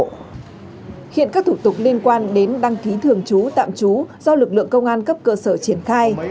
hiện các thủ tục liên quan đến đăng ký thường trú tạm trú do lực lượng công an cấp cơ sở triển khai